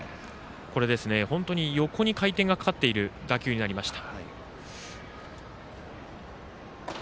本当に横に回転がかかっている打球になりました。